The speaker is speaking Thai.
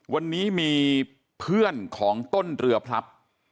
วันนี้มีเพื่อนของต้นเรือพลับ